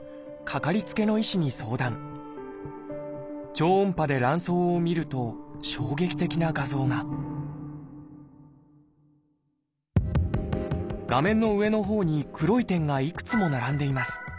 超音波で卵巣を見ると衝撃的な画像が画面の上のほうに黒い点がいくつも並んでいます。